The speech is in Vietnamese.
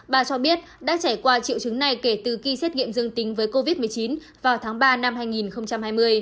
bà cho biết đã trải qua triệu chứng này kể từ khi xét nghiệm dương tính với covid một mươi chín vào tháng ba năm hai nghìn hai mươi